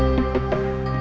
yaa baik bu